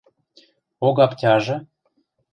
Огаптяжы: